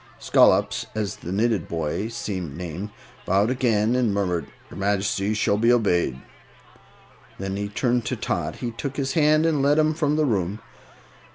Scollops, as the knitted boy seemed named, bowed again and murmured, "Your Majesty shall be obeyed." Then, turning to Tot, he took his hand and led him from the room.